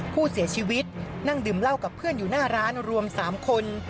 ผู้เสียชีวิตนั่งดื่มเหล้ากับเพื่อนอยู่หน้าร้านรวม๓คน